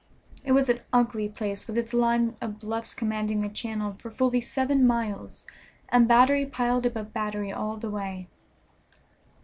It was an ugly place, with its line of bluffs commanding the channel for fully seven miles, and battery piled above battery all the way.